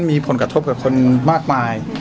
มีผลกระทบกับคนมากมาย